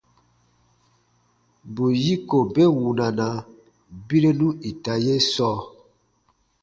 Bù yiko be wunana birenu ita ye sɔɔ.